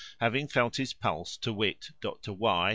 having felt his pulse; to wit, Dr Y.